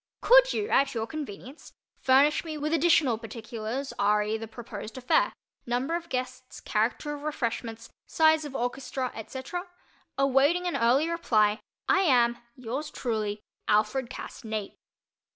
Could you at your convenience furnish me with additional particulars re the proposed affair—number of guests, character of refreshments, size of orchestra, etc.? Awaiting an early reply, I am, Yours truly, ALFRED CASS NAPE.